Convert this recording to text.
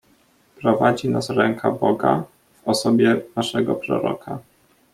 "Prowadzi nas ręka Boga, w osobie naszego Proroka."